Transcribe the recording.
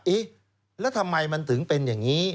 เอ๊ะแล้วทำไมมันถึงเป็นอย่างนี้